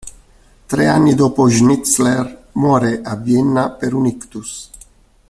Tre anni dopo Schnitzler muore, a Vienna, per un ictus.